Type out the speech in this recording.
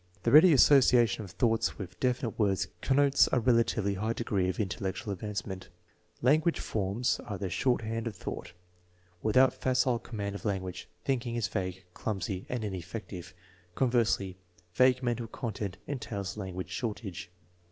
The ready asso ciation of thoughts with definite words connotes a relatively high degree of intellectual advancement. Language forms are the short hand of thought; without facile command of TEST NO. X, 6 275 language, thinking is vague, clumsy, and ineffective. Con versely, vague mental content entails language shortage.